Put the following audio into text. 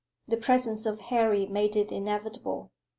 The presence of Harry made it inevitable.